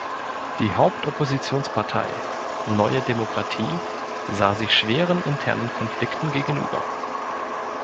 Die Haupt-Oppositionspartei, Neue Demokratie, sah sich schweren internen Konflikten gegenüber.